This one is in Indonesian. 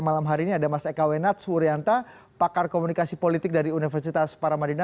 malam hari ini ada mas eka wenats wuryanta pakar komunikasi politik dari universitas paramadina